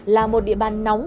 là một địa bàn nóng